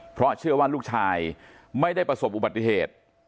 เพราะเชื่อว่าลูกชายไม่ได้ประสบอุบัติเหตุ